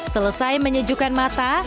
selesai menyejukkan mata